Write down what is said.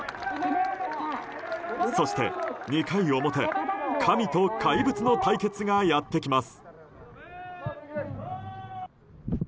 そして、２回表神と怪物の対決がやってきます。